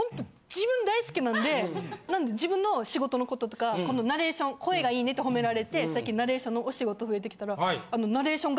なんで自分の仕事のこととかこのナレーション声がいいねって褒められて最近ナレーションのお仕事増えてきたら。